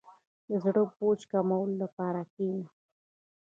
• د زړه بوج کمولو لپاره کښېنه.